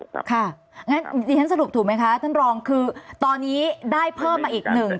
อย่างนั้นดิฉันสรุปถูกไหมคะท่านรองคือตอนนี้ได้เพิ่มมาอีกหนึ่ง